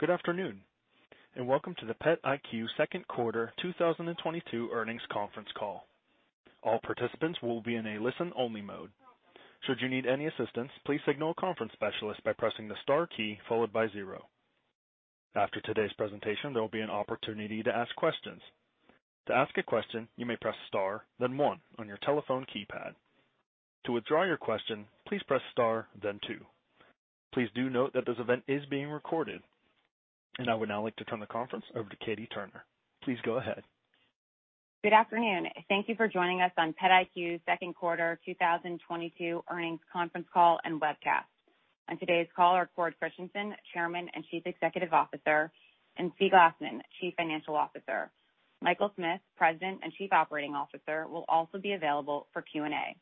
Good afternoon, and welcome to the PetIQ second quarter 2022 earnings conference call. All participants will be in a listen-only mode. Should you need any assistance, please signal a conference specialist by pressing the star key followed by zero. After today's presentation, there will be an opportunity to ask questions. To ask a question, you may press star, then one on your telephone keypad. To withdraw your question, please press star then two. Please do note that this event is being recorded. I would now like to turn the conference over to Katie Turner. Please go ahead. Good afternoon. Thank you for joining us on PetIQ's second quarter 2022 earnings conference call and webcast. On today's call are Cord Christensen, Chairman and Chief Executive Officer, and Zvi Glasman, Chief Financial Officer. Michael Smith, President and Chief Operating Officer, will also be available for Q&A.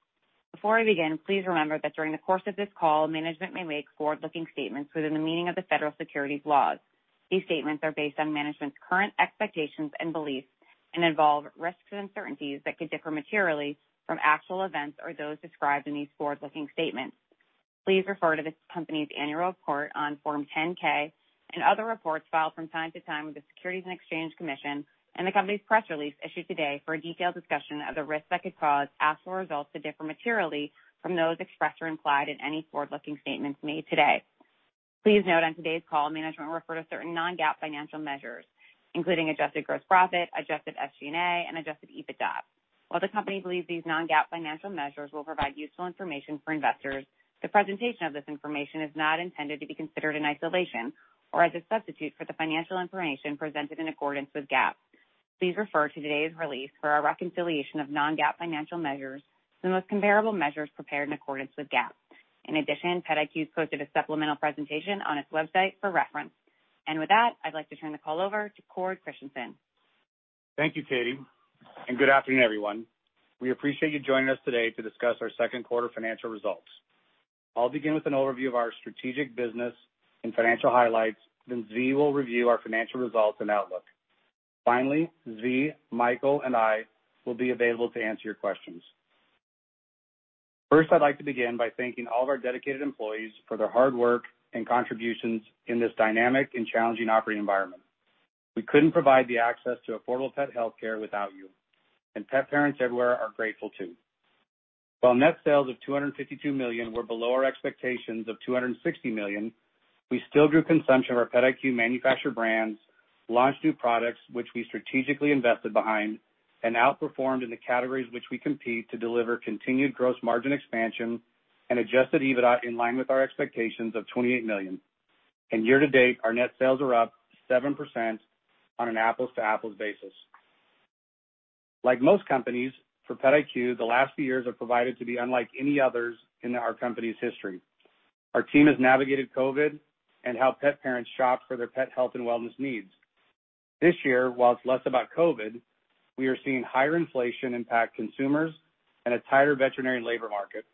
Before we begin, please remember that during the course of this call, management may make forward-looking statements within the meaning of the federal securities laws. These statements are based on management's current expectations and beliefs and involve risks and uncertainties that could differ materially from actual events or those described in these forward-looking statements. Please refer to this company's annual report on Form 10-K and other reports filed from time to time with the Securities and Exchange Commission and the company's press release issued today for a detailed discussion of the risks that could cause actual results to differ materially from those expressed or implied in any forward-looking statements made today. Please note on today's call, management will refer to certain non-GAAP financial measures, including adjusted gross profit, adjusted SG&A and adjusted EBITDA. While the company believes these non-GAAP financial measures will provide useful information for investors, the presentation of this information is not intended to be considered in isolation or as a substitute for the financial information presented in accordance with GAAP. Please refer to today's release for our reconciliation of non-GAAP financial measures to the most comparable measures prepared in accordance with GAAP. In addition, PetIQ's posted a supplemental presentation on its website for reference. With that, I'd like to turn the call over to Cord Christensen. Thank you, Katie, and good afternoon, everyone. We appreciate you joining us today to discuss our second quarter financial results. I'll begin with an overview of our strategic business and financial highlights, then Zvi will review our financial results and outlook. Finally, Zvi, Michael, and I will be available to answer your questions. First, I'd like to begin by thanking all of our dedicated employees for their hard work and contributions in this dynamic and challenging operating environment. We couldn't provide the access to affordable pet healthcare without you, and pet parents everywhere are grateful too. While net sales of $252 million were below our expectations of $260 million, we still grew consumption of our PetIQ manufactured brands, launched new products which we strategically invested behind, and outperformed in the categories which we compete to deliver continued gross margin expansion and adjusted EBITDA in line with our expectations of $28 million. Year-to-date, our net sales are up 7% on an apples-to-apples basis. Like most companies, for PetIQ, the last few years have proven to be unlike any others in our company's history. Our team has navigated COVID and helped pet parents shop for their pet health and wellness needs. This year, while it's less about COVID, we are seeing higher inflation impact consumers and a tighter veterinary labor market.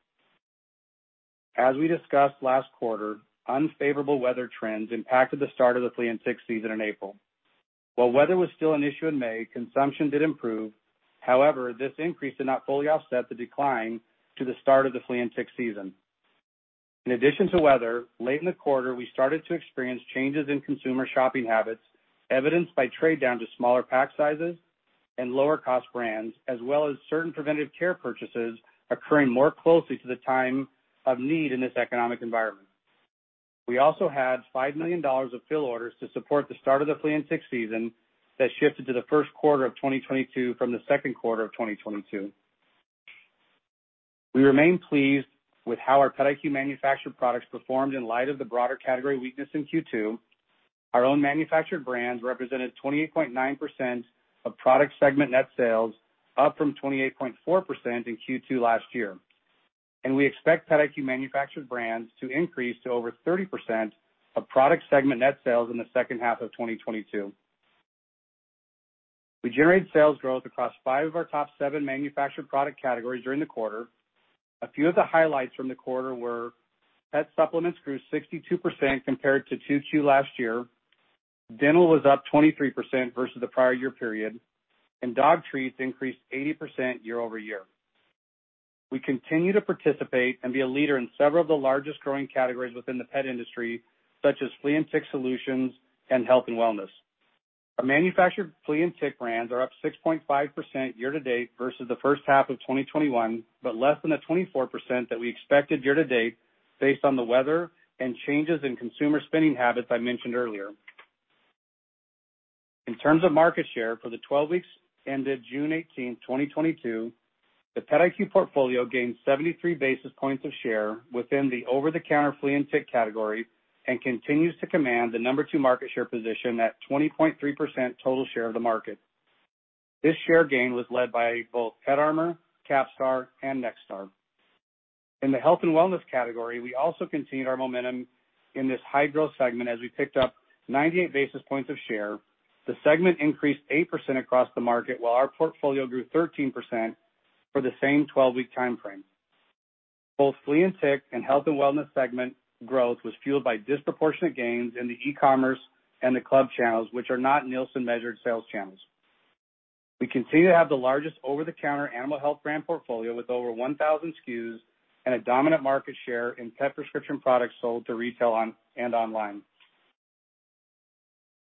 As we discussed last quarter, unfavorable weather trends impacted the start of the flea and tick season in April. While weather was still an issue in May, consumption did improve. However, this increase did not fully offset the decline to the start of the flea and tick season. In addition to weather, late in the quarter, we started to experience changes in consumer shopping habits, evidenced by trade down to smaller pack sizes and lower cost brands, as well as certain preventive care purchases occurring more closely to the time of need in this economic environment. We also had $5 million of fill orders to support the start of the flea and tick season that shifted to the first quarter of 2022 from the second quarter of 2022. We remain pleased with how our PetIQ manufactured products performed in light of the broader category weakness in Q2. Our own manufactured brands represented 28.9% of product segment net sales, up from 28.4% in Q2 last year. We expect PetIQ manufactured brands to increase to over 30% of product segment net sales in the second half of 2022. We generated sales growth across five of our top seven manufactured product categories during the quarter. A few of the highlights from the quarter were pet supplements grew 62% compared to Q2 last year. Dental was up 23% versus the prior year period, and dog treats increased 80% year-over-year. We continue to participate and be a leader in several of the largest growing categories within the pet industry, such as flea and tick solutions and health and wellness. Our manufactured flea and tick brands are up 6.5% year to date versus the first half of 2021, but less than the 24% that we expected year to date based on the weather and changes in consumer spending habits I mentioned earlier. In terms of market share for the 12 weeks ended June 18th, 2022, the PetIQ portfolio gained 73 basis points of share within the over-the-counter flea and tick category and continues to command the number two market share position at 20.3% total share of the market. This share gain was led by both PetArmor, Capstar, and NextStar. In the health and wellness category, we also continued our momentum in this high-growth segment as we picked up 98 basis points of share. The segment increased 8% across the market while our portfolio grew 13% for the same 12-week time frame. Both flea and tick and health and wellness segment growth was fueled by disproportionate gains in the e-commerce and the club channels, which are not Nielsen-measured sales channels. We continue to have the largest over-the-counter animal health brand portfolio with over 1,000 SKUs and a dominant market share in pet prescription products sold to retail on- and online.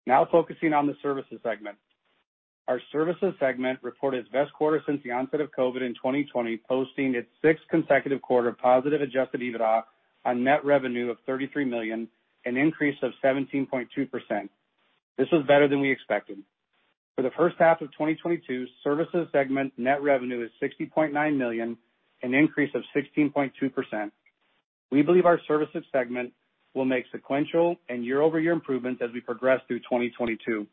Now focusing on the services segment. Our services segment reported its best quarter since the onset of COVID in 2020, posting its sixth consecutive quarter of positive adjusted EBITDA on net revenue of $33 million, an increase of 17.2%. This was better than we expected. For the first half of 2022, services segment net revenue is $60.9 million, an increase of 16.2%. We believe our services segment will make sequential and year-over-year improvements as we progress through 2022.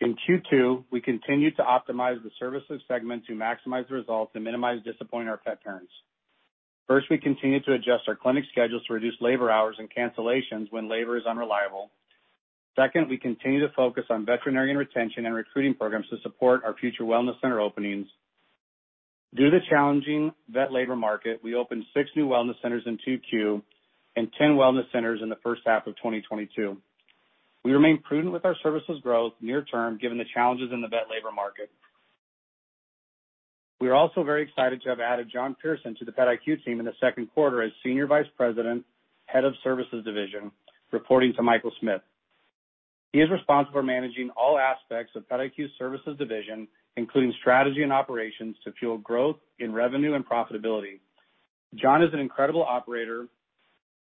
In Q2, we continued to optimize the services segment to maximize the results and minimize disappointing our pet parents. First, we continued to adjust our clinic schedules to reduce labor hours and cancellations when labor is unreliable. Second, we continue to focus on veterinarian retention and recruiting programs to support our future wellness center openings. Due to the challenging vet labor market, we opened six new wellness centers in 2Q and 10 wellness centers in the first half of 2022. We remain prudent with our services growth near term given the challenges in the vet labor market. We are also very excited to have added John Pearson to the PetIQ team in the second quarter as Senior Vice President, Head of Services Division, reporting to Michael Smith. He is responsible for managing all aspects of PetIQ's services division, including strategy and operations to fuel growth in revenue and profitability. John is an incredible operator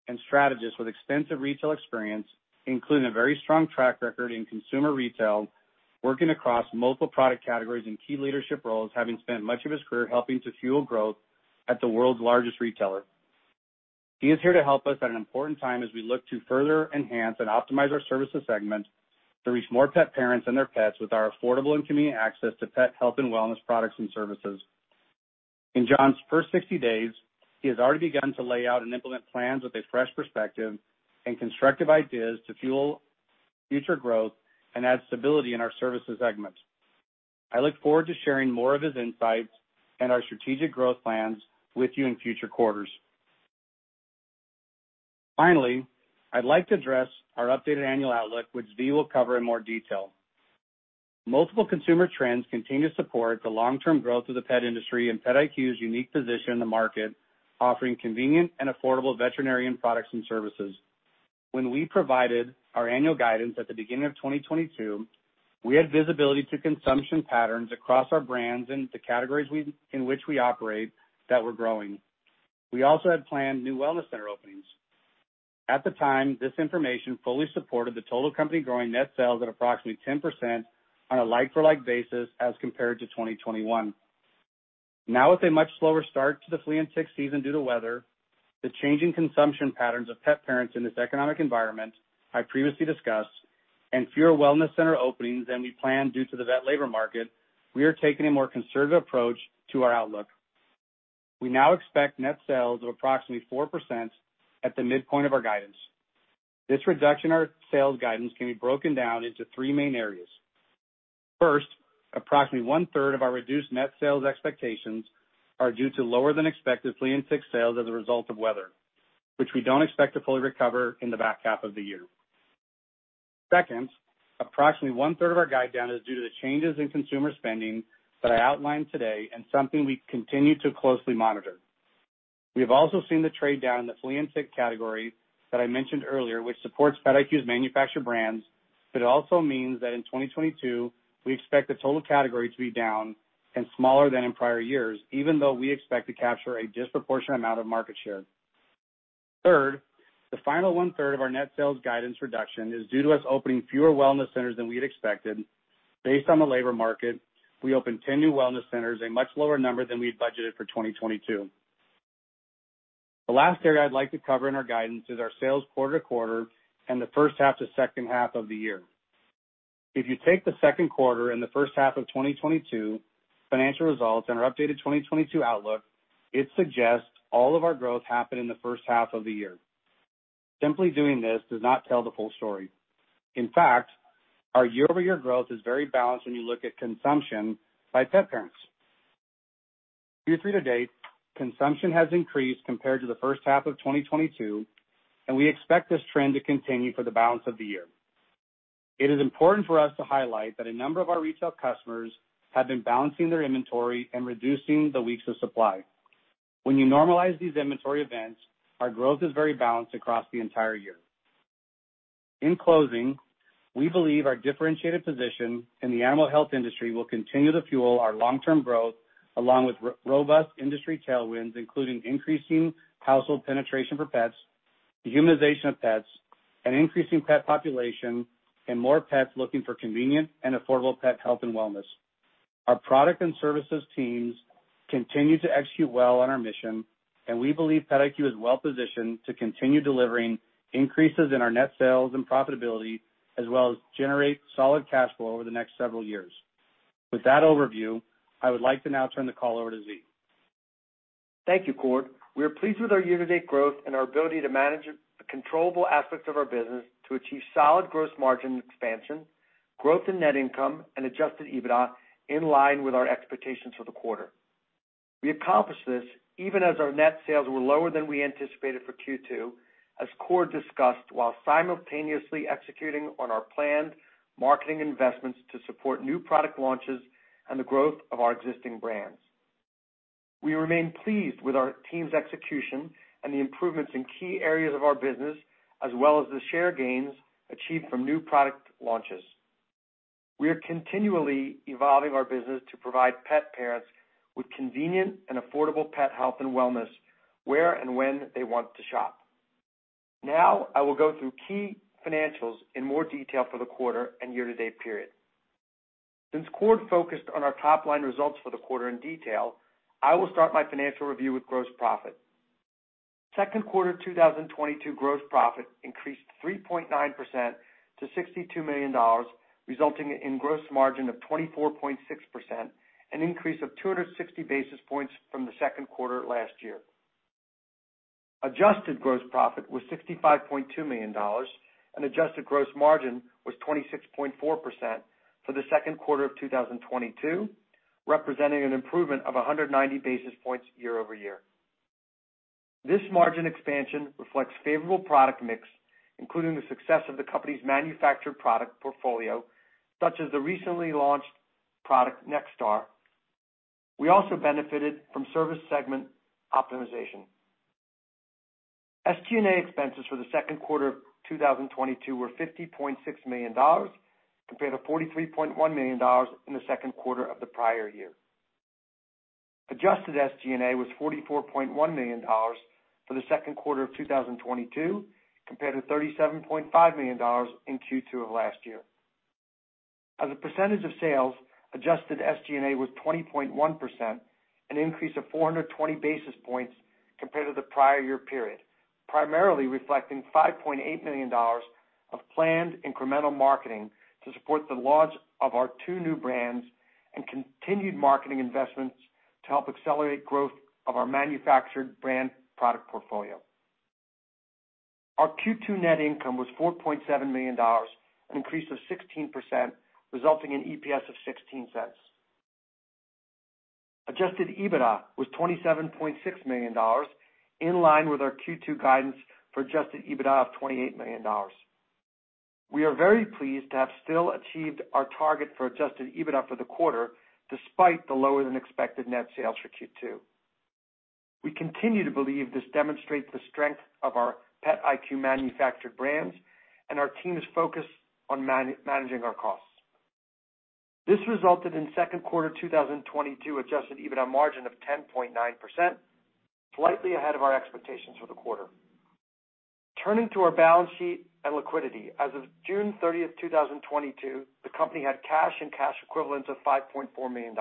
and strategist with extensive retail experience, including a very strong track record in consumer retail, working across multiple product categories in key leadership roles, having spent much of his career helping to fuel growth at the world's largest retailer. He is here to help us at an important time as we look to further enhance and optimize our services segment to reach more pet parents and their pets with our affordable and convenient access to pet health and wellness products and services. In John's first 60 days, he has already begun to lay out and implement plans with a fresh perspective and constructive ideas to fuel future growth and add stability in our services segment. I look forward to sharing more of his insights and our strategic growth plans with you in future quarters. Finally, I'd like to address our updated annual outlook, which Zvi will cover in more detail. Multiple consumer trends continue to support the long-term growth of the pet industry and PetIQ's unique position in the market, offering convenient and affordable veterinary products and services. When we provided our annual guidance at the beginning of 2022, we had visibility to consumption patterns across our brands and the categories in which we operate that were growing. We also had planned new wellness center openings. At the time, this information fully supported the total company growing net sales at approximately 10% on a like-for-like basis as compared to 2021. Now with a much slower start to the flea and tick season due to weather, the changing consumption patterns of pet parents in this economic environment I previously discussed, and fewer wellness center openings than we planned due to the vet labor market, we are taking a more conservative approach to our outlook. We now expect net sales of approximately 4% at the midpoint of our guidance. This reduction in our sales guidance can be broken down into three main areas. First, approximately 1/3 of our reduced net sales expectations are due to lower than expected flea and tick sales as a result of weather, which we don't expect to fully recover in the back half of the year. Second, approximately 1/3 of our guide down is due to the changes in consumer spending that I outlined today and something we continue to closely monitor. We have also seen the trade down in the flea and tick category that I mentioned earlier, which supports PetIQ's manufacturer brands, but it also means that in 2022 we expect the total category to be down and smaller than in prior years, even though we expect to capture a disproportionate amount of market share. Third, the final 1/3 of our net sales guidance reduction is due to us opening fewer wellness centers than we had expected. Based on the labor market, we opened 10 new wellness centers, a much lower number than we'd budgeted for 2022. The last area I'd like to cover in our guidance is our sales quarter to quarter and the first half to second half of the year. If you take the second quarter and the first half of 2022 financial results and our updated 2022 outlook, it suggests all of our growth happened in the first half of the year. Simply doing this does not tell the full story. In fact, our year-over-year growth is very balanced when you look at consumption by pet parents. Year-to-date, consumption has increased compared to the first half of 2022, and we expect this trend to continue for the balance of the year. It is important for us to highlight that a number of our retail customers have been balancing their inventory and reducing the weeks of supply. When you normalize these inventory events, our growth is very balanced across the entire year. In closing, we believe our differentiated position in the animal health industry will continue to fuel our long-term growth along with robust industry tailwinds, including increasing household penetration for pets, the humanization of pets, an increasing pet population, and more pets looking for convenient and affordable pet health and wellness. Our product and services teams continue to execute well on our mission, and we believe PetIQ is well positioned to continue delivering increases in our net sales and profitability as well as generate solid cash flow over the next several years. With that overview, I would like to now turn the call over to Zvi. Thank you, Cord. We are pleased with our year-to-date growth and our ability to manage the controllable aspects of our business to achieve solid gross margin expansion, growth in net income, and adjusted EBITDA in line with our expectations for the quarter. We accomplished this even as our net sales were lower than we anticipated for Q2, as Cord discussed, while simultaneously executing on our planned marketing investments to support new product launches and the growth of our existing brands. We remain pleased with our team's execution and the improvements in key areas of our business, as well as the share gains achieved from new product launches. We are continually evolving our business to provide pet parents with convenient and affordable pet health and wellness where and when they want to shop. Now I will go through key financials in more detail for the quarter and year-to-date period. Since Cord focused on our top-line results for the quarter in detail, I will start my financial review with gross profit. Second quarter 2022 gross profit increased 3.9% to $62 million, resulting in gross margin of 24.6%, an increase of 260 basis points from the second quarter last year. Adjusted gross profit was $65.2 million, and adjusted gross margin was 26.4% for the second quarter of 2022, representing an improvement of 190 basis points year-over-year. This margin expansion reflects favorable product mix, including the success of the company's manufactured product portfolio, such as the recently launched product, NextStar. We also benefited from service segment optimization. SG&A expenses for the second quarter of 2022 were $50.6 million, compared to $43.1 million in the second quarter of the prior year. Adjusted SG&A was $44.1 million for the second quarter of 2022, compared to $37.5 million in Q2 of last year. As a percentage of sales, adjusted SG&A was 20.1%, an increase of 420 basis points compared to the prior year period, primarily reflecting $5.8 million of planned incremental marketing to support the launch of our two new brands and continued marketing investments to help accelerate growth of our manufactured brand product portfolio. Our Q2 net income was $4.7 million, an increase of 16%, resulting in EPS of $0.16. Adjusted EBITDA was $27.6 million, in line with our Q2 guidance for adjusted EBITDA of $28 million. We are very pleased to have still achieved our target for adjusted EBITDA for the quarter despite the lower-than-expected net sales for Q2. We continue to believe this demonstrates the strength of our PetIQ manufactured brands and our team's focus on managing our costs. This resulted in Q2 2022 adjusted EBITDA margin of 10.9%, slightly ahead of our expectations for the quarter. Turning to our balance sheet and liquidity. As of June 30, 2022, the company had cash and cash equivalents of $5.4 million.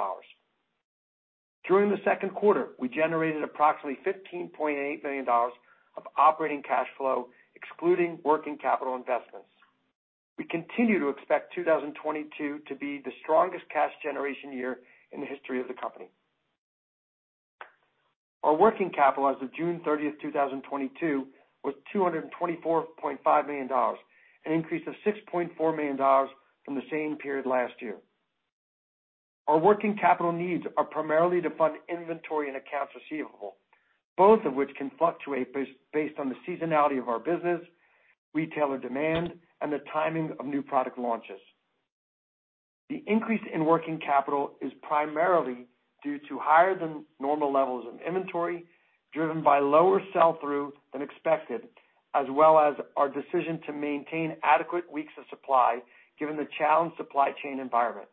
During the second quarter, we generated approximately $15.8 million of operating cash flow, excluding working capital investments. We continue to expect 2022 to be the strongest cash generation year in the history of the company. Our working capital as of June 30, 2022 was $224.5 million, an increase of $6.4 million from the same period last year. Our working capital needs are primarily to fund inventory and accounts receivable, both of which can fluctuate based on the seasonality of our business, retailer demand, and the timing of new product launches. The increase in working capital is primarily due to higher than normal levels of inventory, driven by lower sell-through than expected, as well as our decision to maintain adequate weeks of supply given the challenged supply chain environment.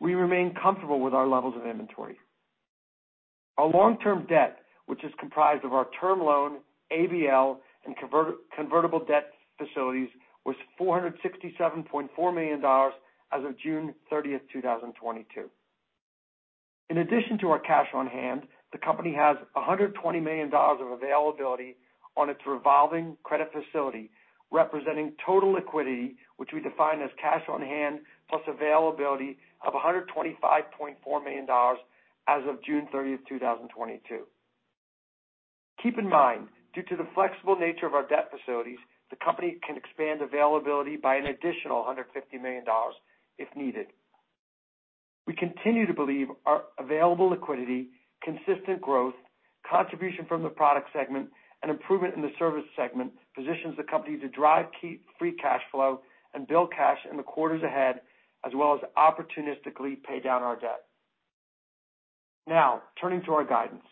We remain comfortable with our levels of inventory. Our long-term debt, which is comprised of our term loan, ABL, and convertible debt facilities, was $467.4 million as of June 30, 2022. In addition to our cash on hand, the company has $120 million of availability on its revolving credit facility, representing total liquidity, which we define as cash on hand plus availability of $125.4 million as of June 30, 2022. Keep in mind, due to the flexible nature of our debt facilities, the company can expand availability by an additional $150 million if needed. We continue to believe our available liquidity, consistent growth, contribution from the product segment, and improvement in the service segment positions the company to drive key free cash flow and build cash in the quarters ahead, as well as opportunistically pay down our debt. Now, turning to our guidance.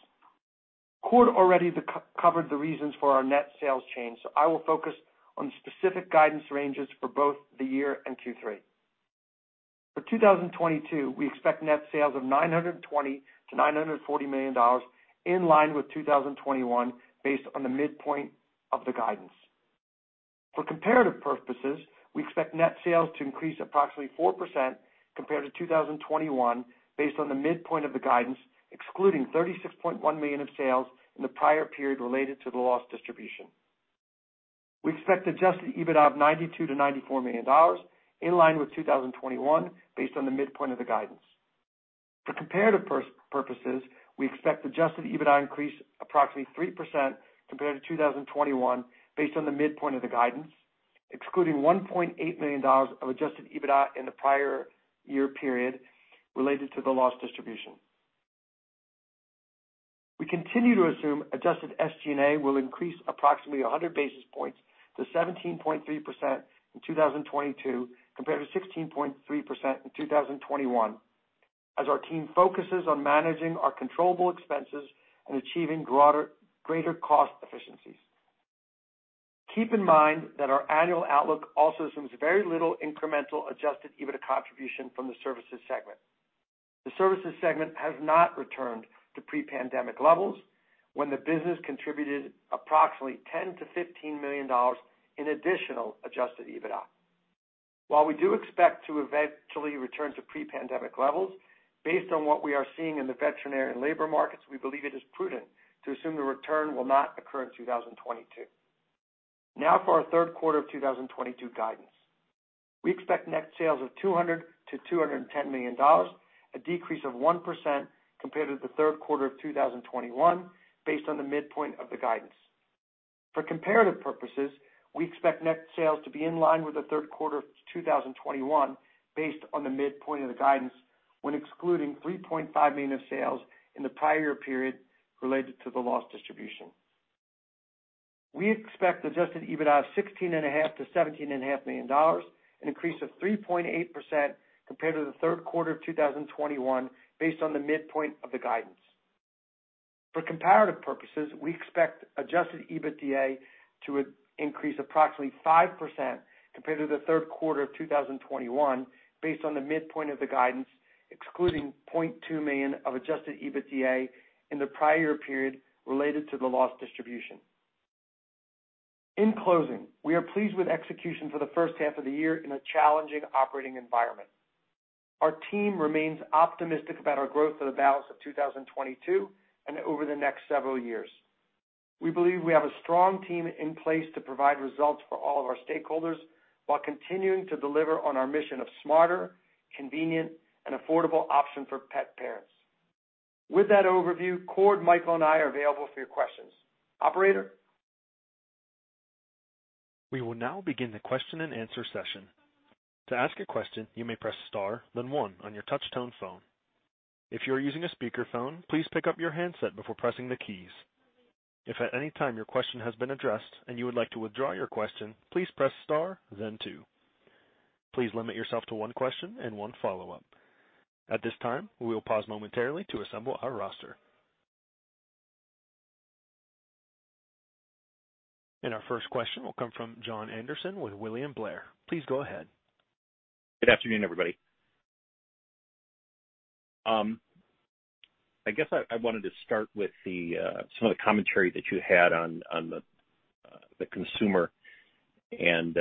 Cord already covered the reasons for our net sales change, so I will focus on specific guidance ranges for both the year and Q3. For 2022, we expect net sales of $920 million-$940 million, in line with 2021, based on the midpoint of the guidance. For comparative purposes, we expect net sales to increase approximately 4% compared to 2021, based on the midpoint of the guidance, excluding $36.1 million of sales in the prior period related to the lost distribution. We expect adjusted EBITDA of $92 million-$94 million, in line with 2021, based on the midpoint of the guidance. For comparative purposes, we expect adjusted EBITDA increase approximately 3% compared to 2021, based on the midpoint of the guidance. Excluding $1.8 million of adjusted EBITDA in the prior year period related to the loss distribution. We continue to assume adjusted SG&A will increase approximately 100 basis points to 17.3% in 2022 compared to 16.3% in 2021 as our team focuses on managing our controllable expenses and achieving broader, greater cost efficiencies. Keep in mind that our annual outlook also assumes very little incremental adjusted EBITDA contribution from the services segment. The services segment has not returned to pre-pandemic levels when the business contributed approximately $10 million-$15 million in additional adjusted EBITDA. While we do expect to eventually return to pre-pandemic levels, based on what we are seeing in the veterinary and labor markets, we believe it is prudent to assume the return will not occur in 2022. Now for our third quarter of 2022 guidance. We expect net sales of $200 million-$210 million, a decrease of 1% compared to the third quarter of 2021, based on the midpoint of the guidance. For comparative purposes, we expect net sales to be in line with the third quarter of 2021 based on the midpoint of the guidance when excluding $3.5 million of sales in the prior period related to the loss distribution. We expect adjusted EBITDA of $16.5 million-$17.5 million, an increase of 3.8% compared to the third quarter of 2021 based on the midpoint of the guidance. For comparative purposes, we expect adjusted EBITDA to increase approximately 5% compared to the third quarter of 2021 based on the midpoint of the guidance, excluding $0.2 million of adjusted EBITDA in the prior period related to the loss distribution. In closing, we are pleased with execution for the first half of the year in a challenging operating environment. Our team remains optimistic about our growth for the balance of 2022 and over the next several years. We believe we have a strong team in place to provide results for all of our stakeholders while continuing to deliver on our mission of smarter, convenient, and affordable option for pet parents. With that overview, Cord, Michael, and I are available for your questions. Operator. We will now begin the question-and-answer session. To ask a question, you may press star, then one on your touchtone phone. If you are using a speakerphone, please pick up your handset before pressing the keys. If at any time your question has been addressed and you would like to withdraw your question, please press star, then two. Please limit yourself to one question and one follow-up. At this time, we will pause momentarily to assemble our roster. Our first question will come from Jon Andersen with William Blair. Please go ahead. Good afternoon, everybody. I guess I wanted to start with some of the commentary that you had on the consumer and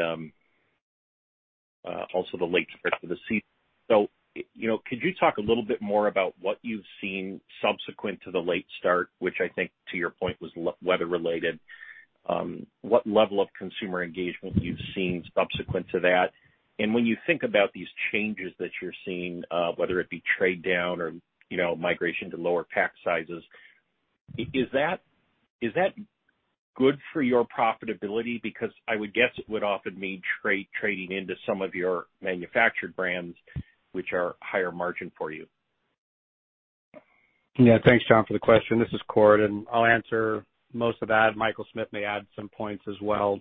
also the late start for the flea season. You know, could you talk a little bit more about what you've seen subsequent to the late start, which I think to your point was weather related, what level of consumer engagement you've seen subsequent to that? When you think about these changes that you're seeing, whether it be trade down or, you know, migration to lower pack sizes, is that good for your profitability? Because I would guess it would often mean trading into some of your manufactured brands, which are higher margin for you. Yeah. Thanks, Jon, for the question. This is Cord, and I'll answer most of that. Michael Smith may add some points as well.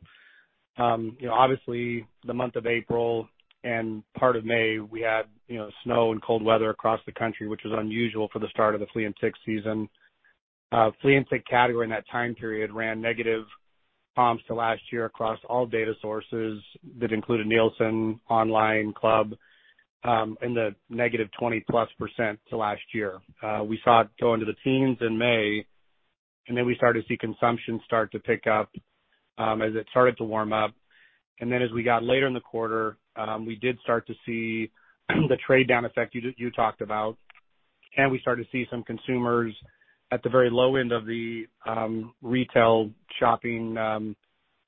You know, obviously the month of April and part of May, we had, you know, snow and cold weather across the country, which was unusual for the start of the flea and tick season. Flea and tick category in that time period ran negative comps to last year across all data sources that included Nielsen, online club, in the -20%+ to last year. We saw it go into the teens in May, and then we started to see consumption start to pick up, as it started to warm up. Then as we got later in the quarter, we did start to see the trade down effect you talked about, and we started to see some consumers at the very low end of the retail shopping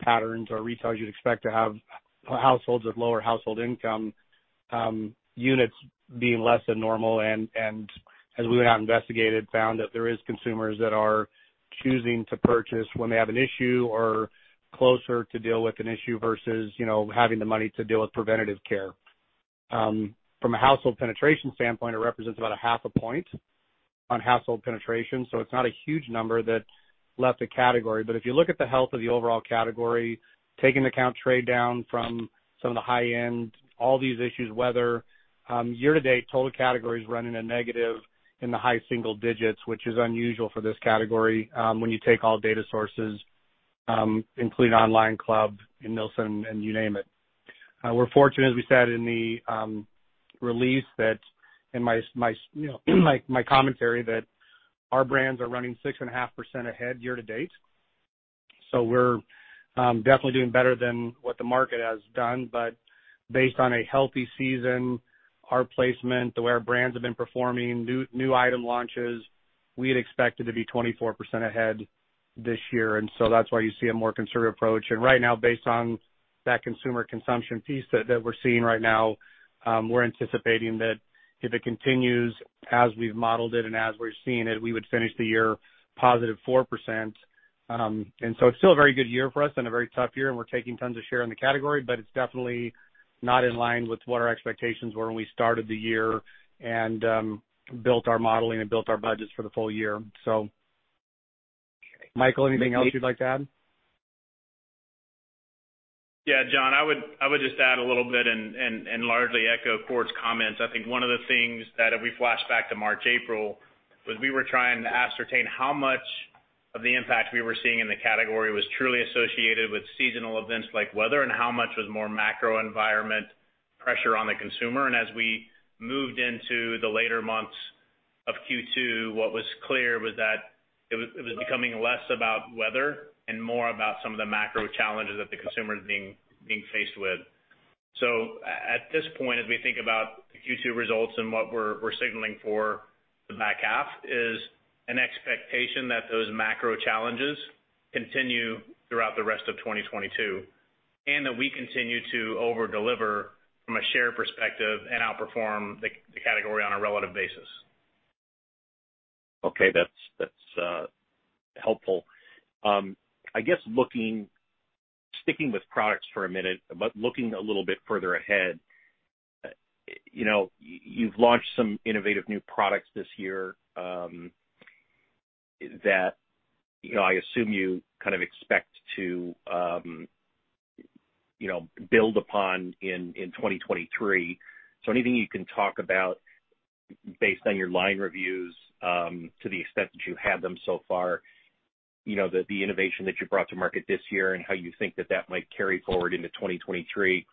patterns or retail, as you'd expect to have households with lower household income, units being less than normal. As we went out and investigated, found that there is consumers that are choosing to purchase when they have an issue or closer to deal with an issue versus, you know, having the money to deal with preventative care. From a household penetration standpoint, it represents about a half a point on household penetration. It's not a huge number that left the category. If you look at the health of the overall category, taking into account trade down from some of the high end, all these issues, weather, year to date, total category is running a negative in the high single digits, which is unusual for this category, when you take all data sources, including online club and Nielsen and you name it. We're fortunate, as we said in the release, that you know, my commentary that our brands are running 6.5% ahead year to date. We're definitely doing better than what the market has done. Based on a healthy season, our placement, the way our brands have been performing, new item launches, we had expected to be 24% ahead this year. That's why you see a more conservative approach. Right now, based on that consumer consumption piece that we're seeing right now, we're anticipating that if it continues as we've modeled it and as we're seeing it, we would finish the year +4%. It's still a very good year for us and a very tough year, and we're taking tons of share in the category, but it's definitely not in line with what our expectations were when we started the year and built our modeling and built our budgets for the full year. Michael, anything else you'd like to add? Yeah, Jon, I would just add a little bit and largely echo Cord's comments. I think one of the things that if we flash back to March, April, was we were trying to ascertain how much of the impact we were seeing in the category was truly associated with seasonal events like weather, and how much was more macro environment pressure on the consumer. As we moved into the later months of Q2, what was clear was that it was becoming less about weather and more about some of the macro challenges that the consumer is being faced with. At this point, as we think about the Q2 results and what we're signaling for the back half, is an expectation that those macro challenges continue throughout the rest of 2022, and that we continue to over-deliver from a share perspective and outperform the category on a relative basis. Okay. That's helpful. I guess, sticking with products for a minute, but looking a little bit further ahead, you know, you've launched some innovative new products this year, that, you know, I assume you kind of expect to, you know, build upon in 2023. Anything you can talk about based on your line reviews, to the extent that you've had them so far, you know, the innovation that you brought to market this year and how you think that might carry forward into 2023?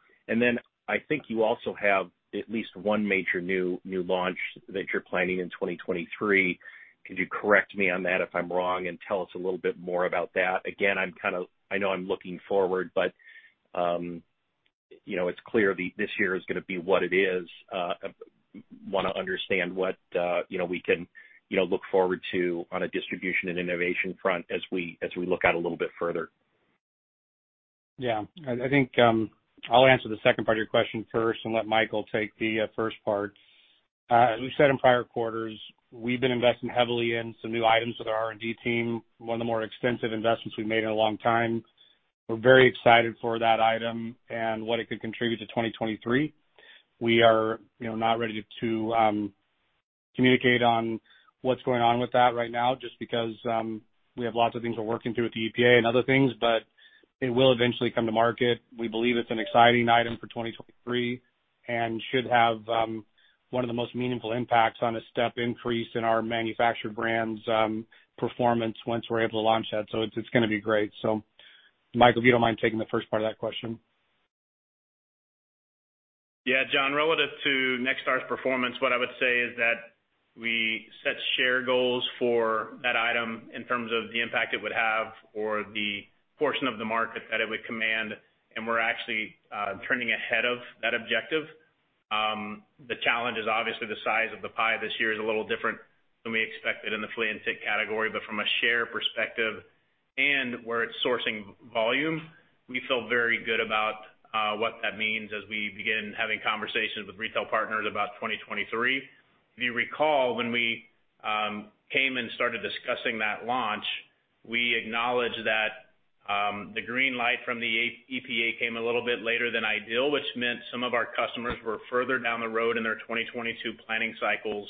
I think you also have at least one major new launch that you're planning in 2023. Could you correct me on that if I'm wrong and tell us a little bit more about that? Again, I know I'm looking forward, but you know, it's clear this year is gonna be what it is. Wanna understand what you know, we can you know, look forward to on a distribution and innovation front as we look out a little bit further. Yeah. I think I'll answer the second part of your question first and let Michael take the first part. As we said in prior quarters, we've been investing heavily in some new items with our R&D team, one of the more extensive investments we've made in a long time. We're very excited for that item and what it could contribute to 2023. We are, you know, not ready to communicate on what's going on with that right now just because we have lots of things we're working through with the EPA and other things, but it will eventually come to market. We believe it's an exciting item for 2023 and should have one of the most meaningful impacts on a step increase in our manufactured brands performance once we're able to launch that. So it's gonna be great. Michael, if you don't mind taking the first part of that question. Yeah, Jon, relative to NextStar's performance, what I would say is that we set share goals for that item in terms of the impact it would have or the portion of the market that it would command, and we're actually turning ahead of that objective. The challenge is obviously the size of the pie this year is a little different than we expected in the flea and tick category. From a share perspective and where it's sourcing volume, we feel very good about what that means as we begin having conversations with retail partners about 2023. If you recall, when we came and started discussing that launch, we acknowledged that the green light from the EPA came a little bit later than ideal, which meant some of our customers were further down the road in their 2022 planning cycles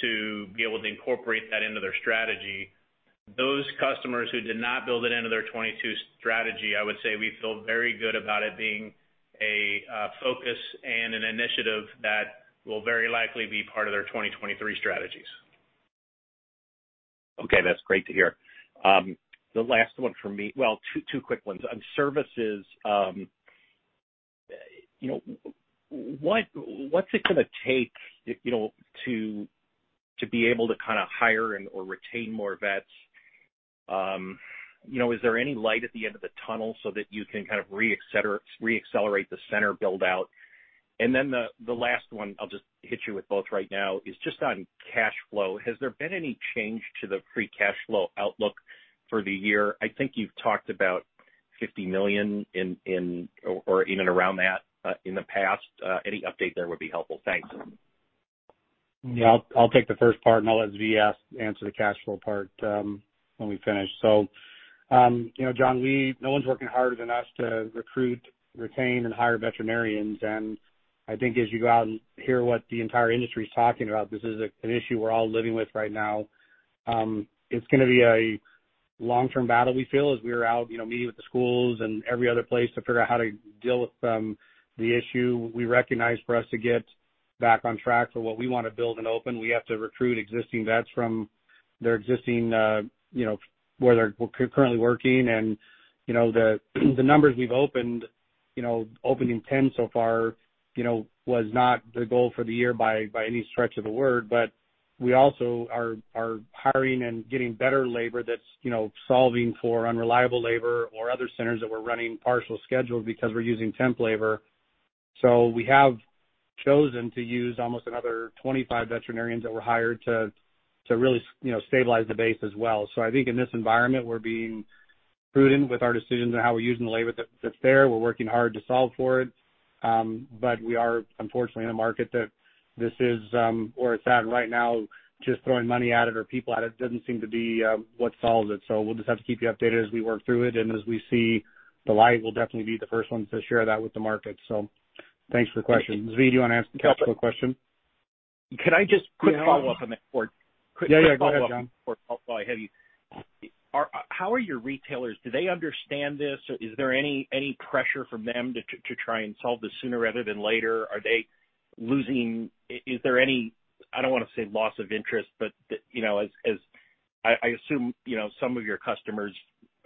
to be able to incorporate that into their strategy. Those customers who did not build it into their 2022 strategy, I would say we feel very good about it being a focus and an initiative that will very likely be part of their 2023 strategies. Okay. That's great to hear. The last one for me. Well, two quick ones. On services, you know, what's it gonna take, you know, to be able to kinda hire and/or retain more vets? You know, is there any light at the end of the tunnel so that you can kind of reaccelerate the center build-out? Then the last one, I'll just hit you with both right now, is just on cash flow. Has there been any change to the free cash flow outlook for the year? I think you've talked about $50 million in or even around that in the past. Any update there would be helpful. Thanks. Yeah. I'll take the first part, and I'll let Zvi answer the cash flow part when we finish. You know, Jon, no one's working harder than us to recruit, retain, and hire veterinarians. I think as you go out and hear what the entire industry is talking about, this is an issue we're all living with right now. It's gonna be a long-term battle, we feel, as we are out, you know, meeting with the schools and every other place to figure out how to deal with the issue. We recognize for us to get back on track for what we wanna build and open, we have to recruit existing vets from their existing, you know, where they're currently working. You know, the numbers we've opened, you know, opening 10 so far, you know, was not the goal for the year by any stretch of the word. We also are hiring and getting better labor that's, you know, solving for unreliable labor or other centers that were running partial schedules because we're using temp labor. We have chosen to use almost another 25 veterinarians that were hired to really you know, stabilize the base as well. I think in this environment, we're being prudent with our decisions on how we're using the labor that's there. We're working hard to solve for it. We are unfortunately in a market that this is where it's at right now, just throwing money at it or people at it doesn't seem to be what solves it. We'll just have to keep you updated as we work through it and as we see the light, we'll definitely be the first ones to share that with the market. Thanks for the question. Zvi, do you wanna answer the cash flow question? Can I just quickly follow up on that? Yeah, yeah, go ahead, John. While I have you. How are your retailers? Do they understand this? Is there any pressure from them to try and solve this sooner rather than later? Are they losing? Is there any, I don't wanna say loss of interest, but, you know, as I assume, you know, some of your customers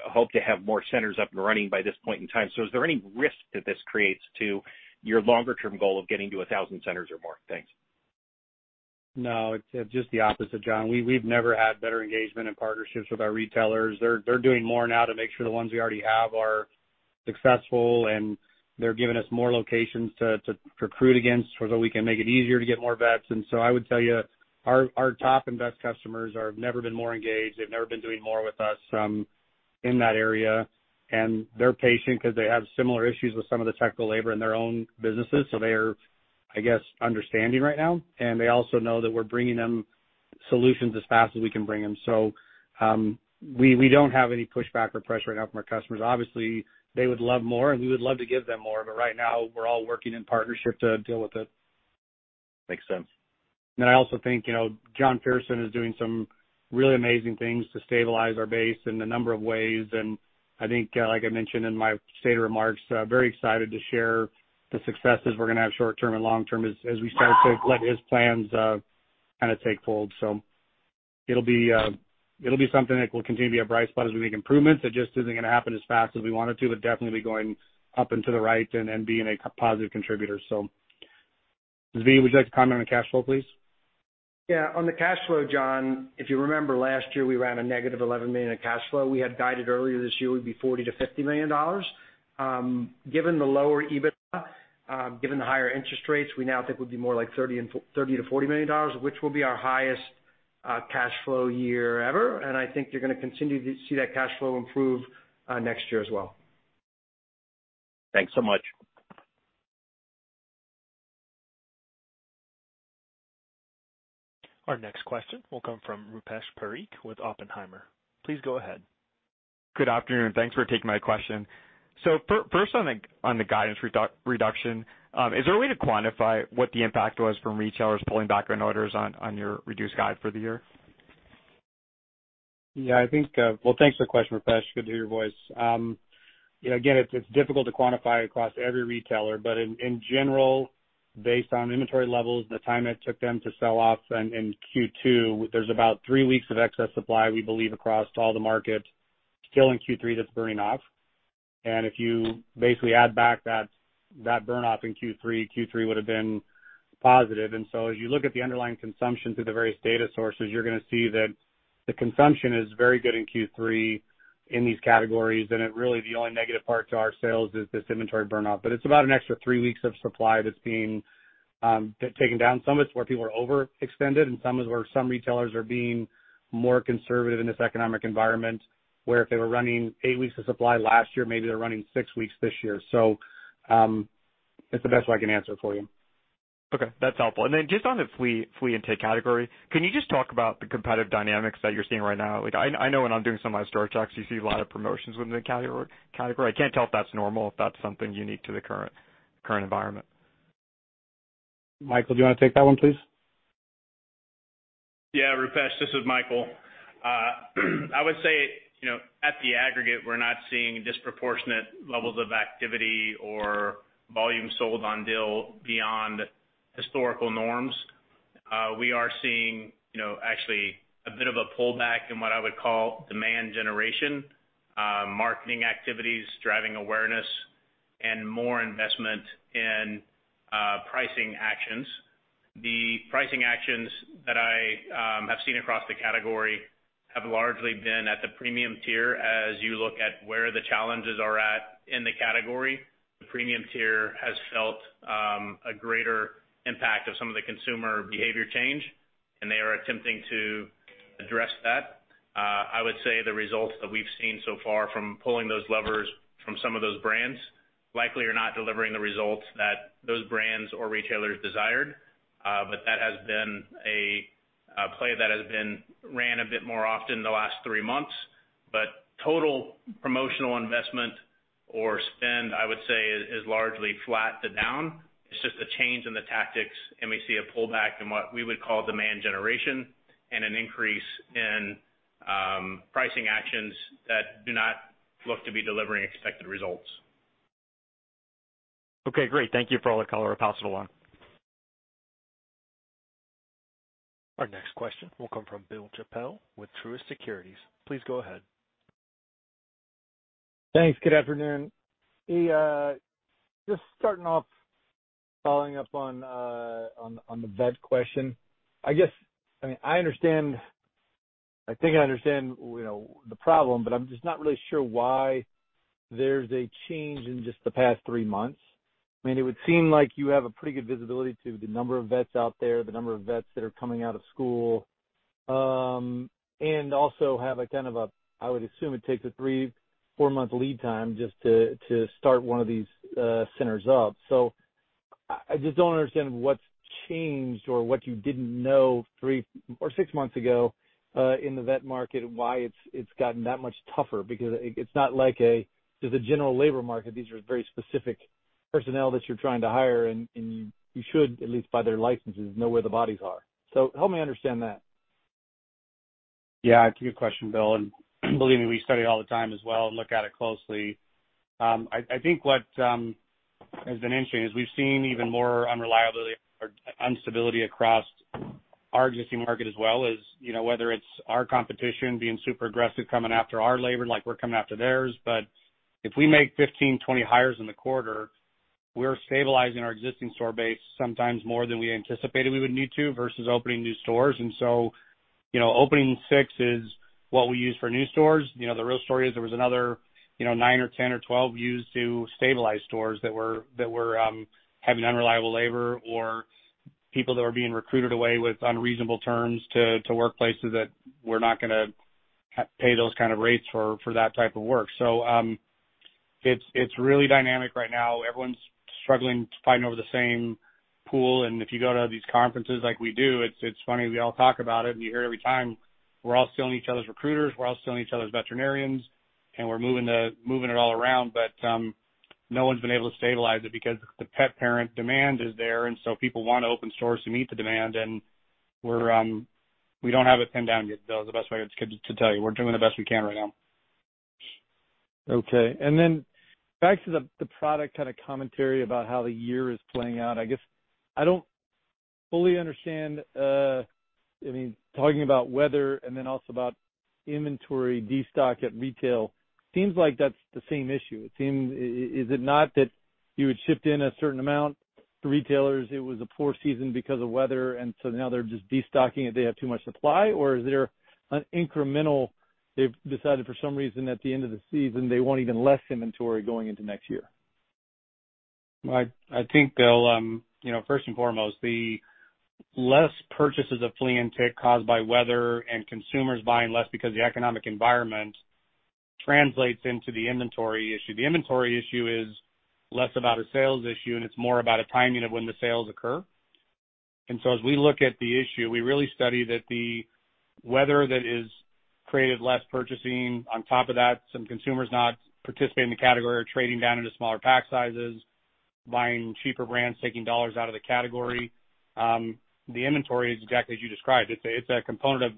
hope to have more centers up and running by this point in time. Is there any risk that this creates to your longer term goal of getting to a thousand centers or more? Thanks. No, it's just the opposite, Jon. We've never had better engagement and partnerships with our retailers. They're doing more now to make sure the ones we already have are successful, and they're giving us more locations to recruit against so that we can make it easier to get more vets. I would tell you, our top and best customers have never been more engaged. They've never been doing more with us in that area. They're patient because they have similar issues with some of the technical labor in their own businesses. They are, I guess, understanding right now, and they also know that we're bringing them solutions as fast as we can bring them. We don't have any pushback or pressure right now from our customers. Obviously, they would love more and we would love to give them more, but right now we're all working in partnership to deal with it. Makes sense. I also think, you know, John Pearson is doing some really amazing things to stabilize our base in a number of ways. I think, like I mentioned in my state remarks, very excited to share the successes we're gonna have short-term and long-term as we start to let his plans, kind of take hold. It'll be something that will continue to be a bright spot as we make improvements. It just isn't gonna happen as fast as we want it to, but definitely be going up and to the right and being a positive contributor. Zvi, would you like to comment on cash flow, please? Yeah. On the cash flow, Jon, if you remember last year, we ran a -$11 million in cash flow. We had guided earlier this year would be $40 million-$50 million. Given the lower EBITDA, given the higher interest rates, we now think we'll be more like $30 million-$40 million, which will be our highest cash flow year ever. I think you're gonna continue to see that cash flow improve next year as well. Thanks so much. Our next question will come from Rupesh Parikh with Oppenheimer. Please go ahead. Good afternoon. Thanks for taking my question. First on the guidance reduction, is there a way to quantify what the impact was from retailers pulling back on orders on your reduced guide for the year? Yeah, I think. Well, thanks for the question, Rupesh. Good to hear your voice. You know, again, it's difficult to quantify across every retailer, but in general, based on inventory levels and the time it took them to sell off in Q2, there's about three weeks of excess supply we believe across all the market still in Q3 that's burning off. If you basically add back that burn off in Q3 would have been positive. So as you look at the underlying consumption through the various data sources, you're gonna see that the consumption is very good in Q3 in these categories. It really, the only negative part to our sales is this inventory burn off. But it's about an extra three weeks of supply that's being taken down. Some of it's where people are overextended and some is where some retailers are being more conservative in this economic environment where if they were running eight weeks of supply last year, maybe they're running six weeks this year. It's the best way I can answer it for you. Okay, that's helpful. Just on the flea and tick category, can you just talk about the competitive dynamics that you're seeing right now? Like, I know when I'm doing some of my store checks, you see a lot of promotions within the category. I can't tell if that's normal, if that's something unique to the current environment. Michael, do you wanna take that one, please? Yeah, Rupesh, this is Michael. I would say, you know, at the aggregate, we're not seeing disproportionate levels of activity or volume sold on deal beyond historical norms. We are seeing, you know, actually a bit of a pullback in what I would call demand generation, marketing activities, driving awareness and more investment in, pricing actions. The pricing actions that I have seen across the category have largely been at the premium tier. As you look at where the challenges are at in the category, the premium tier has felt, a greater impact of some of the consumer behavior change, and they are attempting to address that. I would say the results that we've seen so far from pulling those levers from some of those brands likely are not delivering the results that those brands or retailers desired. That has been a play that has been run a bit more often in the last three months. Total promotional investment or spend, I would say, is largely flat to down. It's just a change in the tactics, and we see a pullback in what we would call demand generation and an increase in pricing actions that do not look to be delivering expected results. Okay, great. Thank you for all the color. I'll pass it along. Our next question will come from Bill Chappell with Truist Securities. Please go ahead. Thanks. Good afternoon. Hey, just starting off following up on the vet question. I guess I mean, I understand. I think I understand, you know, the problem, but I'm just not really sure why there's a change in just the past three months. I mean, it would seem like you have a pretty good visibility to the number of vets out there, the number of vets that are coming out of school, and I would assume it takes a three to four-month lead time just to start one of these centers up. So I just don't understand what's changed or what you didn't know three or six months ago in the vet market, why it's gotten that much tougher because it's not like just a general labor market. These are very specific personnel that you're trying to hire, and you should, at least by their licenses, know where the bodies are. Help me understand that. Yeah. It's a good question, Bill, and believe me, we study all the time as well and look at it closely. I think what has been interesting is we've seen even more unreliability or instability across our existing market as well as, you know, whether it's our competition being super aggressive coming after our labor like we're coming after theirs. If we make 15-20 hires in the quarter, we're stabilizing our existing store base sometimes more than we anticipated we would need to versus opening new stores. You know, opening six is what we use for new stores. You know, the real story is there was another, you know, nine or 10 or 12 used to stabilize stores that were having unreliable labor or people that were being recruited away with unreasonable terms to workplaces that were not gonna pay those kind of rates for that type of work. It's really dynamic right now. Everyone's struggling to fight over the same pool. If you go to these conferences like we do, it's funny, we all talk about it, and you hear it every time. We're all stealing each other's recruiters, we're all stealing each other's veterinarians, and we're moving it all around. No one's been able to stabilize it because the pet parent demand is there, and so people wanna open stores to meet the demand. We don't have it pinned down yet, Bill, is the best way to tell you. We're doing the best we can right now. Okay. Back to the product kind of commentary about how the year is playing out. I guess I don't fully understand, I mean, talking about weather and also about inventory destock at retail. Seems like that's the same issue. It seems. Is it not that you had shipped in a certain amount to retailers, it was a poor season because of weather, and so now they're just destocking it, they have too much supply? Or is there an incremental, they've decided for some reason at the end of the season they want even less inventory going into next year? I think, Bill, you know, first and foremost, the less purchases of flea and tick caused by weather and consumers buying less because the economic environment translates into the inventory issue. The inventory issue is less about a sales issue, and it's more about a timing of when the sales occur. As we look at the issue, we really study that the weather that has created less purchasing, on top of that, some consumers not participating in the category or trading down into smaller pack sizes, buying cheaper brands, taking dollars out of the category. The inventory is exactly as you described. It's a component of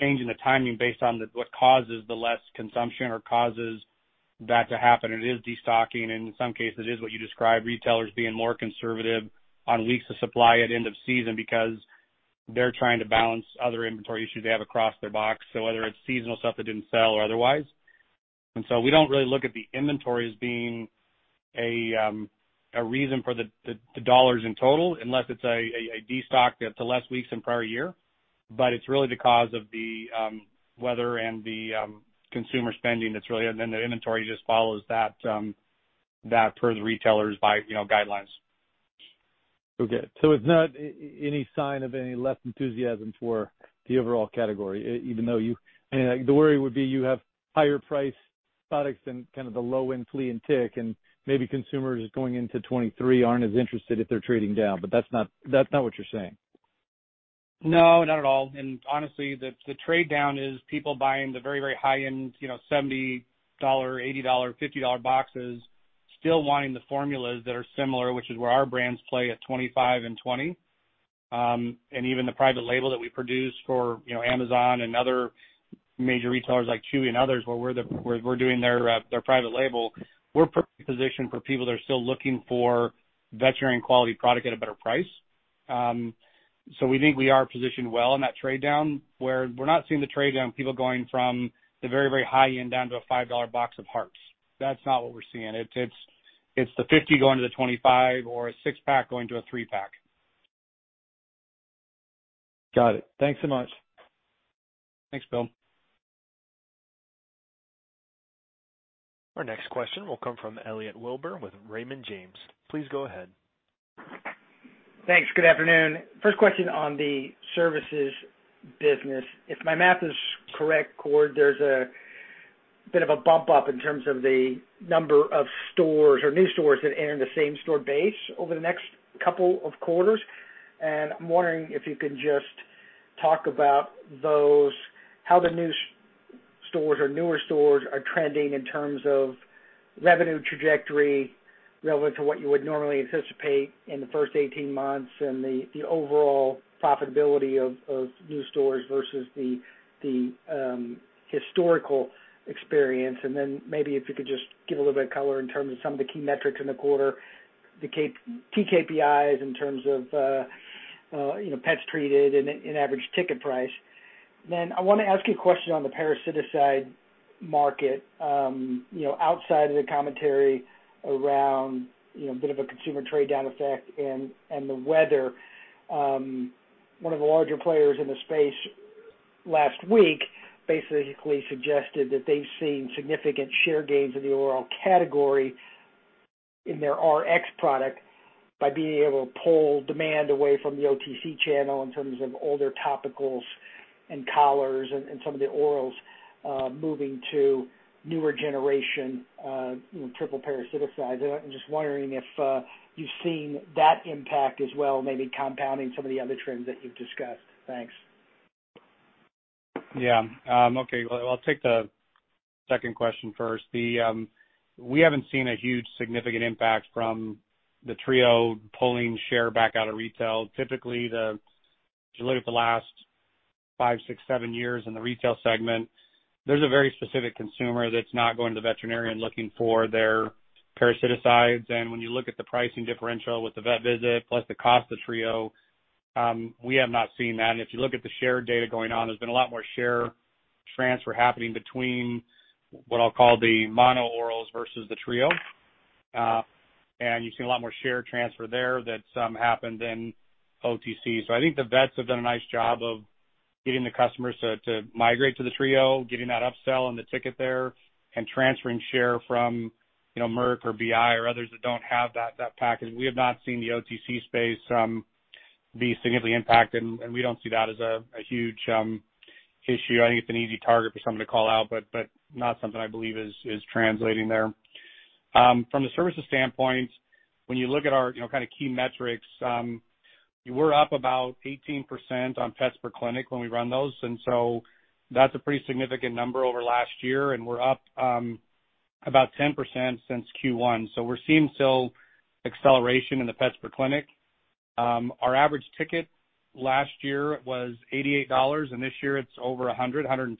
changing the timing based on the, what causes the less consumption or causes that to happen. It is destocking, and in some cases it is what you describe, retailers being more conservative on weeks of supply at end of season because they're trying to balance other inventory issues they have across their box. Whether it's seasonal stuff that didn't sell or otherwise. We don't really look at the inventory as being a reason for the dollars in total, unless it's a destock to less weeks than prior year. It's really the cause of the weather and the consumer spending that's really. Then the inventory just follows that per the retailers by, you know, guidelines. Okay. It's not any sign of any less enthusiasm for the overall category, even though you, like, the worry would be you have higher priced products than kind of the low-end flea and tick, and maybe consumers going into 2023 aren't as interested if they're trading down. That's not what you're saying. No, not at all. Honestly, the trade down is people buying the very, very high-end, you know, $70, $80, $50 boxes, still wanting the formulas that are similar, which is where our brands play at $25 and $20. Even the private label that we produce for, you know, Amazon and other major retailers like Chewy and others, where we're doing their private label, we're perfectly positioned for people that are still looking for veterinary quality product at a better price. We think we are positioned well in that trade down, where we're not seeing the trade down, people going from the very, very high end down to a $5 box of Hartz. That's not what we're seeing. It's the $50 going to the $25 or a 6-pack going to a 3-pack. Got it. Thanks so much. Thanks, Bill. Our next question will come from Elliot Wilbur with Raymond James. Please go ahead. Thanks. Good afternoon. First question on the services business. If my math is correct, Cord, there's a bit of a bump up in terms of the number of stores or new stores that enter the same store base over the next couple of quarters. I'm wondering if you can just talk about those, how the new stores or newer stores are trending in terms of revenue trajectory relative to what you would normally anticipate in the first 18 months and the overall profitability of new stores versus the historical experience? Then maybe if you could just give a little bit of color in terms of some of the key metrics in the quarter, the key KPIs in terms of you know, pets treated and average ticket price? Then I wanna ask you a question on the parasite market. You know, outside of the commentary around, you know, a bit of a consumer trade down effect and the weather, one of the larger players in the space. Last week basically suggested that they've seen significant share gains in the oral category in their RX product by being able to pull demand away from the OTC channel in terms of older topicals and collars and some of the orals, moving to newer generation, you know, triple parasiticide. I'm just wondering if you've seen that impact as well, maybe compounding some of the other trends that you've discussed? Thanks. Yeah. Okay, well, I'll take the second question first. We haven't seen a huge significant impact from the Trio pulling share back out of retail. Typically, if you look at the last five, six, seven years in the retail segment, there's a very specific consumer that's not going to the veterinarian looking for their parasiticides. When you look at the pricing differential with the vet visit, plus the cost of Trio, we have not seen that. If you look at the share data going on, there's been a lot more share transfer happening between what I'll call the mono orals versus the Trio. You've seen a lot more share transfer there that's happened in OTC. I think the vets have done a nice job of getting the customers to migrate to the Trio, getting that upsell and the ticket there, and transferring share from, you know, Merck or BI or others that don't have that package. We have not seen the OTC space be significantly impacted, and we don't see that as a huge issue. I think it's an easy target for someone to call out, but not something I believe is translating there. From the services standpoint, when you look at our, you know, kind of key metrics, we're up about 18% on pets per clinic when we run those. That's a pretty significant number over last year, and we're up about 10% since Q1. We're seeing still acceleration in the pets per clinic. Our average ticket last year was $88, and this year it's over $100, $102.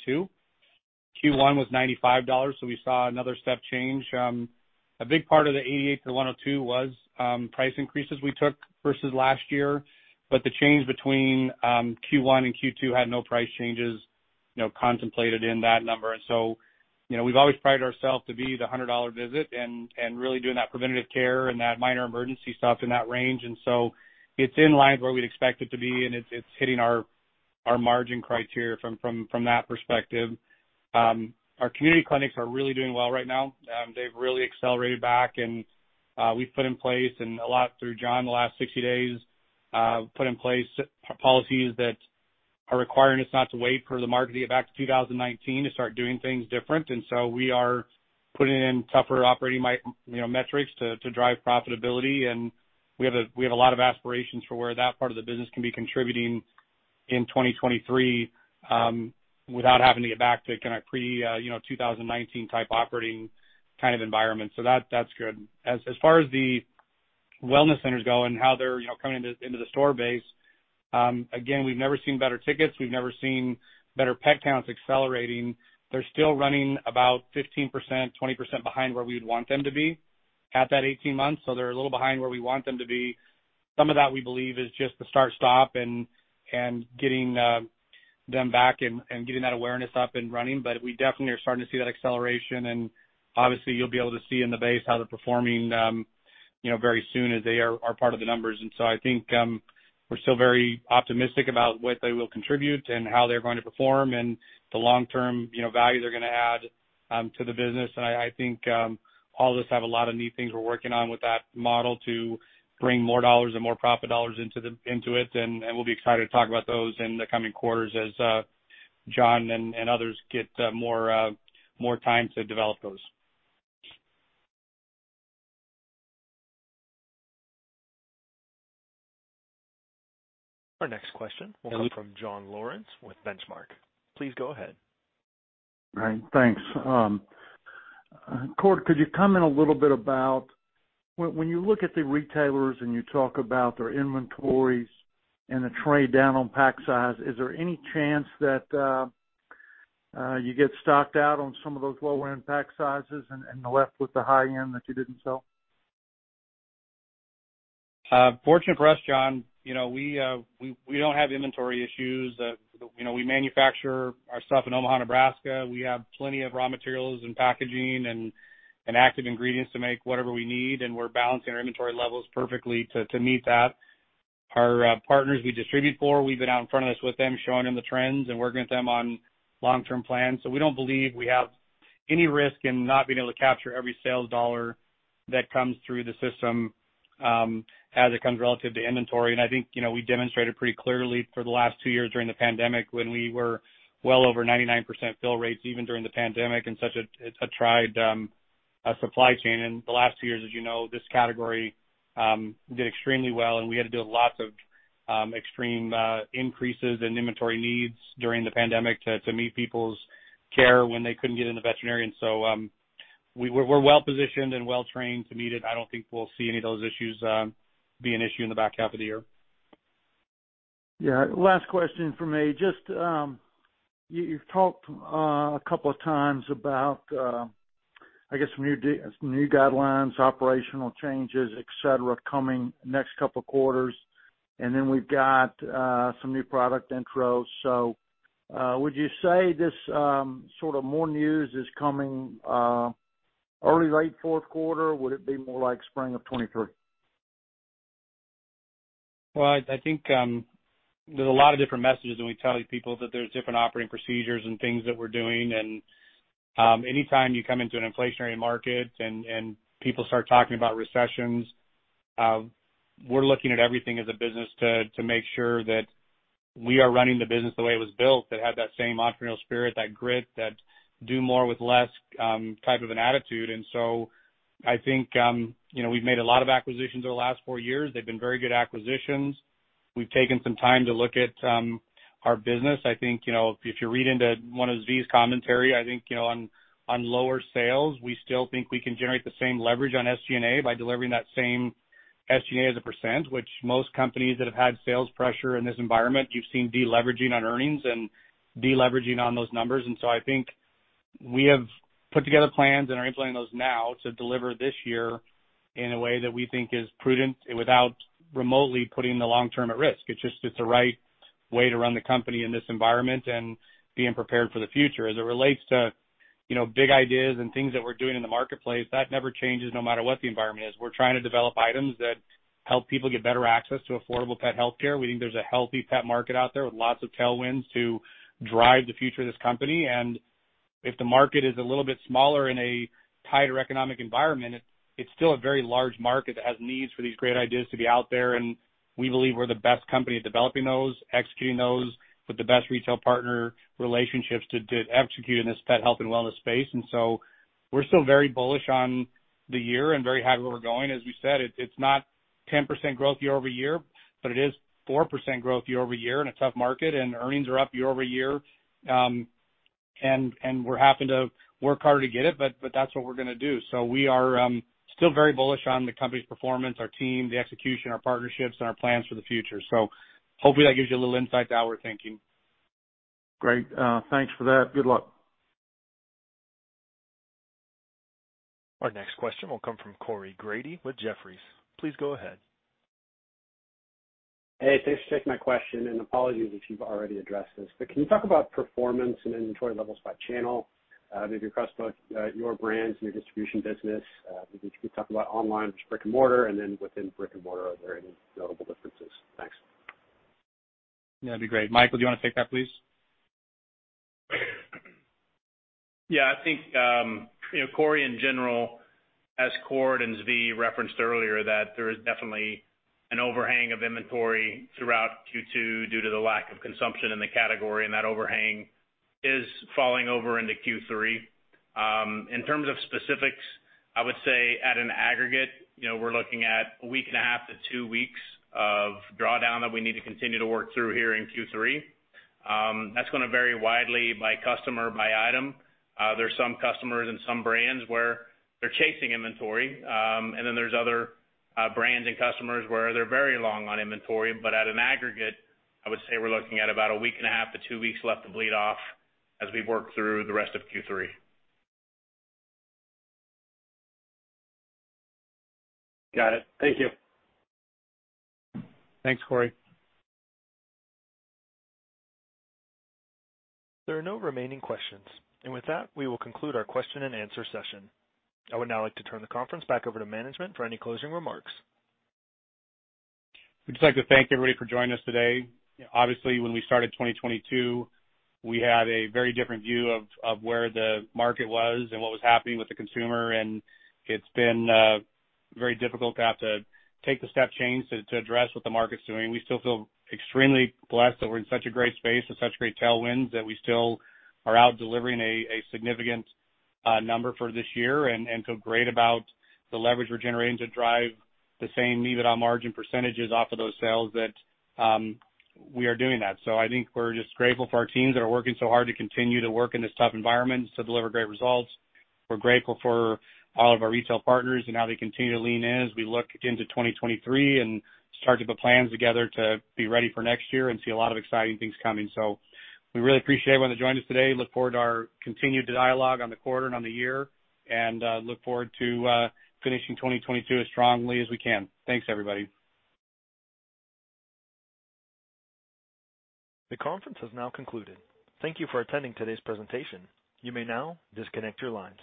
Q1 was $95, so we saw another step change. A big part of the $88 to $102 was price increases we took versus last year. The change between Q1 and Q2 had no price changes, you know, contemplated in that number. You know, we've always prided ourselves to be the $100 visit and really doing that preventative care and that minor emergency stuff in that range. It's in line where we'd expect it to be, and it's hitting our margin criteria from that perspective. Our community clinics are really doing well right now. They've really accelerated back. We've put in place, and a lot through John the last 60 days, policies that are requiring us not to wait for the market to get back to 2019 to start doing things different. We are putting in tougher operating metrics to drive profitability. We have a lot of aspirations for where that part of the business can be contributing in 2023, without having to get back to kinda pre-2019 type operating kind of environment. That, that's good. As far as the wellness centers go and how they're you know coming into the store base, again, we've never seen better tickets. We've never seen better pet counts accelerating. They're still running about 15%, 20% behind where we would want them to be at that 18 months. They're a little behind where we want them to be. Some of that we believe is just the start-stop and getting them back and getting that awareness up and running. We definitely are starting to see that acceleration. Obviously you'll be able to see in the base how they're performing, you know, very soon as they are part of the numbers. I think, we're still very optimistic about what they will contribute and how they're going to perform and the long-term, you know, value they're gonna add, to the business. I think all of us have a lot of neat things we're working on with that model to bring more dollars and more profit dollars into it. We'll be excited to talk about those in the coming quarters as John and others get more time to develop those. Our next question will come from Jon Lawrence with Benchmark. Please go ahead. All right. Thanks. Cord, could you comment a little bit about when you look at the retailers and you talk about their inventories and the trade down on pack size, is there any chance that you get stocked out on some of those lower-end pack sizes and are left with the high end that you didn't sell? Fortunate for us, Jon, you know, we don't have inventory issues. You know, we manufacture our stuff in Omaha, Nebraska. We have plenty of raw materials and packaging and active ingredients to make whatever we need, and we're balancing our inventory levels perfectly to meet that. Our partners we distribute for, we've been out in front of this with them, showing them the trends and working with them on long-term plans. We don't believe we have any risk in not being able to capture every sales dollar that comes through the system, as it comes relative to inventory. I think, you know, we demonstrated pretty clearly for the last two years during the pandemic when we were well over 99% fill rates, even during the pandemic and such a tight supply chain. The last two years, as you know, this category did extremely well, and we had to do lots of extreme increases in inventory needs during the pandemic to meet people's care when they couldn't get to the veterinarian. We're well positioned and well-trained to meet it. I don't think we'll see any of those issues be an issue in the back half of the year. Yeah. Last question for me. Just, you've talked a couple of times about, I guess some new guidelines, operational changes, et cetera, coming next couple quarters. Then we've got some new product intros. Would you say this sort of more news is coming early, late fourth quarter? Would it be more like spring of 2023? Well, I think there's a lot of different messages that we tell you people that there's different operating procedures and things that we're doing. Anytime you come into an inflationary market and people start talking about recessions, we're looking at everything as a business to make sure that we are running the business the way it was built, that have that same entrepreneurial spirit, that grit, that do more with less, type of an attitude. I think, you know, we've made a lot of acquisitions over the last four years. They've been very good acquisitions. We've taken some time to look at our business. I think, you know, if you read into one of Zvi's commentary, I think, you know, on lower sales, we still think we can generate the same leverage on SG&A by delivering that same SG&A as a percent, which most companies that have had sales pressure in this environment, you've seen deleveraging on earnings and deleveraging on those numbers. I think we have put together plans and are implementing those now to deliver this year in a way that we think is prudent without remotely putting the long-term at risk. It's just, it's the right way to run the company in this environment and being prepared for the future. As it relates to, you know, big ideas and things that we're doing in the marketplace, that never changes no matter what the environment is. We're trying to develop items that help people get better access to affordable pet healthcare. We think there's a healthy pet market out there with lots of tailwinds to drive the future of this company. If the market is a little bit smaller in a tighter economic environment, it's still a very large market that has needs for these great ideas to be out there, and we believe we're the best company at developing those, executing those with the best retail partner relationships to execute in this pet health and wellness space. We're still very bullish on the year and very happy where we're going. As we said, it's not 10% growth year-over-year, but it is 4% growth year-over-year in a tough market, and earnings are up year-over-year. We're happy to work hard to get it, but that's what we're gonna do. We are still very bullish on the company's performance, our team, the execution, our partnerships, and our plans for the future. Hopefully that gives you a little insight to how we're thinking. Great. Thanks for that. Good luck. Our next question will come from Corey Grady with Jefferies. Please go ahead. Hey, thanks for taking my question, and apologies if you've already addressed this. Can you talk about performance and inventory levels by channel, maybe across both your brands and your distribution business? Maybe if you could talk about online versus brick and mortar, and then within brick and mortar, are there any notable differences? Thanks. Yeah, that'd be great. Michael, do you wanna take that, please? Yeah. I think, you know, Corey, in general, as Cord and Zvi referenced earlier, that there is definitely an overhang of inventory throughout Q2 due to the lack of consumption in the category, and that overhang is falling over into Q3. In terms of specifics, I would say at an aggregate, you know, we're looking at a week and a half to two weeks of drawdown that we need to continue to work through here in Q3. That's gonna vary widely by customer, by item. There's some customers and some brands where they're chasing inventory. And then there's other brands and customers where they're very long on inventory. At an aggregate, I would say we're looking at about a week and a half to two weeks left to bleed off as we work through the rest of Q3. Got it. Thank you. Thanks, Corey. There are no remaining questions. With that, we will conclude our question and answer session. I would now like to turn the conference back over to management for any closing remarks. We'd just like to thank everybody for joining us today. Obviously, when we started 2022, we had a very different view of where the market was and what was happening with the consumer. It's been very difficult to have to take the step change to address what the market's doing. We still feel extremely blessed that we're in such a great space with such great tailwinds, that we still are out delivering a significant number for this year and feel great about the leverage we're generating to drive the same EBITDA margin percentages off of those sales that we are doing that. I think we're just grateful for our teams that are working so hard to continue to work in this tough environment to deliver great results. We're grateful for all of our retail partners and how they continue to lean in as we look into 2023 and start to put plans together to be ready for next year and see a lot of exciting things coming. We really appreciate everyone that joined us today. Look forward to our continued dialogue on the quarter and on the year, and look forward to finishing 2022 as strongly as we can. Thanks, everybody. The conference has now concluded. Thank you for attending today's presentation. You may now disconnect your lines.